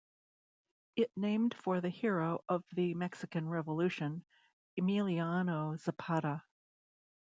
It named for the hero of the Mexican Revolution, Emiliano Zapata.